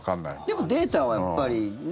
でもデータはやっぱりね。